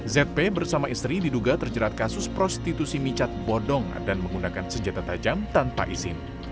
zp bersama istri diduga terjerat kasus prostitusi micat bodong dan menggunakan senjata tajam tanpa izin